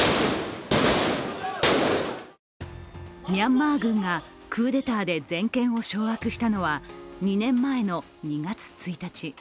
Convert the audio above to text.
ミャンマー軍がクーデターで全権を掌握したのは２年前の２月１日。